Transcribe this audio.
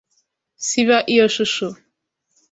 Siba iyo shusho.